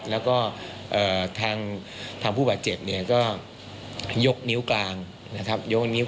แล้วก็ทางผู้บาดเจ็บเนี่ยก็ยกนิ้วกลางนะครับ